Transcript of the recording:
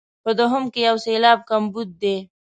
په دوهم کې یو سېلاب کمبود دی.